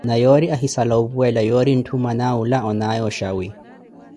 Na yoori ahisala opuwela yoori ntthu mmana awula onaaye oxawi.